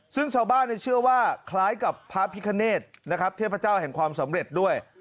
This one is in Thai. ซึ่งชาวบ้านเชื่อว่าคล้ายกับพระพิคเนธนะครับเทพเจ้าแห่งความสำเร็จด้วย